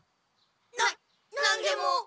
なっなんでも。